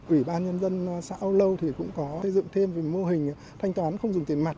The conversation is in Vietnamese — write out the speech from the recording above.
ủy ban nhân dân xã âu lâu thì cũng có xây dựng thêm mô hình thanh toán không dùng tiền mặt